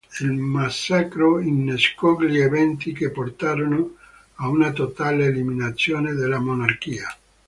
Il massacro innescò gli eventi che portarono a una totale eliminazione della monarchia.